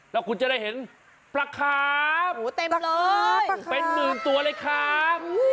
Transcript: แล้วคุณจะได้เห็นปลาคาร์ฟโหเต็มเลยปลาคาร์ฟเป็นหมื่นตัวเลยครับ